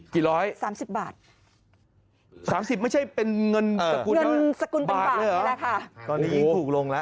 กี่ร้อย๓๐บาท๓๐ไม่ใช่เป็นเงินสกุลเป็นบาทเลยค่ะ